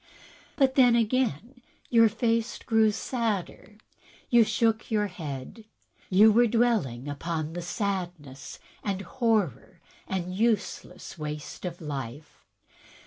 But then, again, your face grew sadder; you shook your head. You were dwelling upon the sadness and horror and useless waste of life.